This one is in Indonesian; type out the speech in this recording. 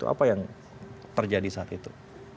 apa yang terjadi saat itu